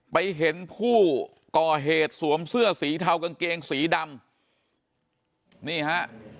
ไปเห็นผู้ก่อเหตุสวมเสื้อสีเทากางเกงสีดำนี่ฮะ